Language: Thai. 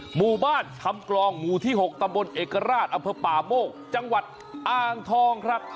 หมู่บ้านชำกรองหมู่ที่๖ตำบลเอกราชอำเภอป่าโมกจังหวัดอ่างทองครับ